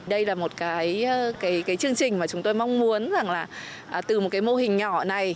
đây là một cái chương trình mà chúng tôi mong muốn rằng là từ một cái mô hình nhỏ này